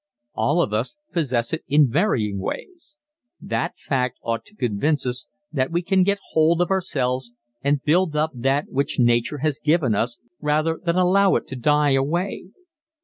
All of us possess it in varying ways. That fact ought to convince us that we can get hold of ourselves and build up that which nature has given us, rather than allow it to die away.